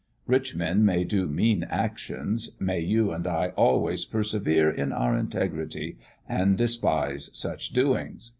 Rich men may do mean actions; may you and I always persevere in our integrity, and despise such doings."